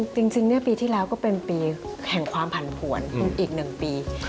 จริงปีที่แล้วก็เป็นปีแห่งความผันผวนอีก๑ปี